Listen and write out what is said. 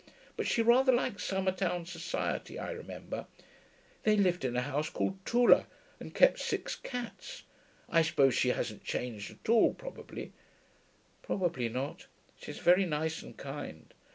But she rather liked Summertown society, I remember. They lived in a house called Thule, and kept six cats. I suppose she hasn't changed at all, probably.' 'Probably not. She's very nice and kind.'